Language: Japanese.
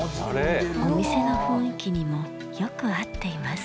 お店の雰囲気にもよく合っています。